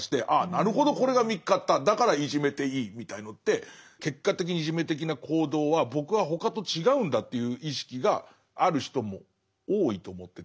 なるほどこれが見っかっただからいじめていいみたいのって結果的にいじめ的な行動は僕は他と違うんだという意識がある人も多いと思ってて。